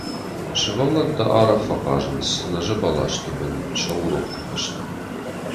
Сывӕллӕттӕ арӕх фӕхъазынц нӕзы бӕласты бын сӕ урокты фӕстӕ.